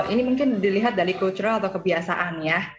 ini mungkin dilihat dari cultural atau kebiasaan ya